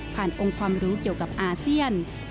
องค์ความรู้เกี่ยวกับอาเซียน